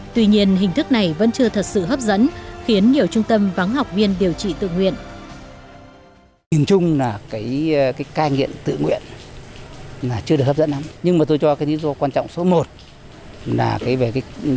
tuy nhiên hình thức này vẫn chưa thật sự hấp dẫn khiến nhiều trung tâm vắng học viên điều trị tự nguyện